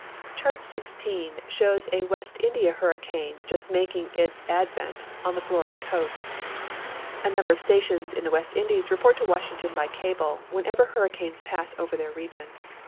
Chart XVI shows a West India hurricane just making its ad vent on the Florida coast. A number of stations in the West Indies report to Washington by cable Avhenever hurricanes pass over their region.